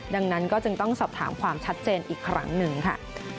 ดังนั้นก็จึงต้องสอบถามความชัดเจนอีกครั้งหนึ่งค่ะ